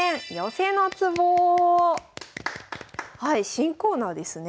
新コーナーですね。